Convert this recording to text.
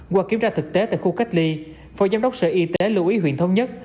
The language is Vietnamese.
qua kiểm tra thực tế tại khu cách ly phó giám đốc sở y tế lưu ý huyện thống nhất